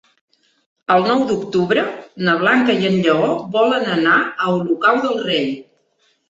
El nou d'octubre na Blanca i en Lleó volen anar a Olocau del Rei.